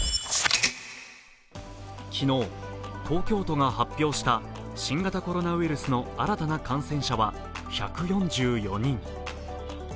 昨日、東京都が発表した新型コロナウイルスの新たな感染者は１４４人。